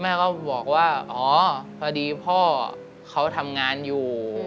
แม่ก็บอกว่าอ๋อพอดีพ่อเขาทำงานอยู่